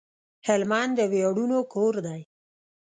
هلمند د وياړونو کور دی